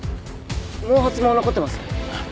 毛髪も残ってます。